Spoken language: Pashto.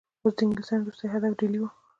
اوس د انګلیسیانو وروستی هدف ډهلی وو.